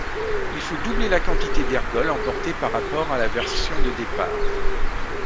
Il faut doubler la quantité d'ergols emportée par rapport à la version de départ.